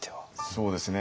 そうですね。